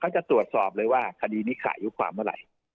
จะตรวจสอบเลยว่าคดีนี้ขาดอายุความเมื่อไหร่